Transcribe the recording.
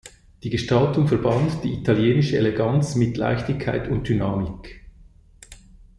Die Gestaltung verband die italienische Eleganz mit Leichtigkeit und Dynamik.